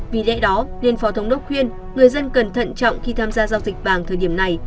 vì lẽ đó nên phó thống đốc khuyên người dân cần thận trọng khi tham gia giao dịch vàng thời điểm này